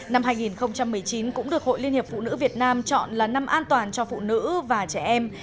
năm hai nghìn một mươi chín cũng được hội liên hiệp phụ nữ việt nam chọn là năm an toàn cho phụ nữ và trẻ em